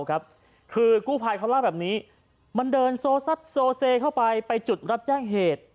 คือกู้ภัยเขาเล่าแบบนี้มันเดินโซซัดโซเซเข้าไปไปจุดรับแจ้งเหตุ